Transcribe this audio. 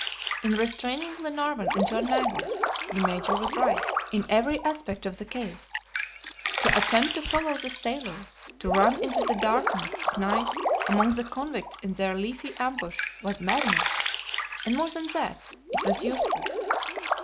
In restraining Glenarvan and John Mangles, the Major was right in every aspect of the case. To attempt to follow the sailor, to run in the darkness of night among the convicts in their leafy ambush was madness, and more than that it was useless.